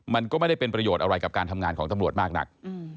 มันก็ไม่ได้เป็นประโยชน์อะไรกับการทำงานของตำรวจมากนัก